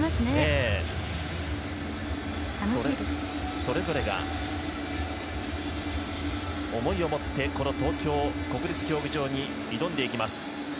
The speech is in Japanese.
それぞれが思いをもって東京国立競技場に挑んでいきます。